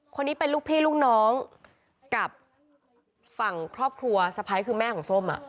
คนนี้เป็นลูกพี่ลูกน้องกับฝั่งครอบครัวสะพ้ายคือแม่ของส้ม